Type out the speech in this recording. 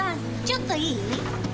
ちょっといい？